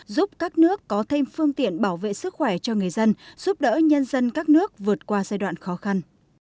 giúp các nước có thêm phương tiện bảo vệ sức khỏe cho người dân giúp đỡ nhân dân các nước vượt qua giai đoạn khó khăn